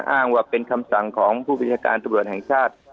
อ้างว่าเป็นคำสั่งของผู้บัญชาการตำรวจแห่งชาติ